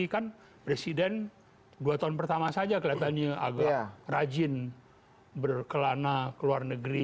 kan presiden dua tahun pertama saja keliatannya agak rajin berkelana keluar negeri